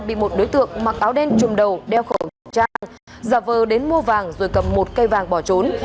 bị một đối tượng mặc áo đen trùm đầu đeo khẩu trang giả vờ đến mua vàng rồi cầm một cây vàng bỏ trốn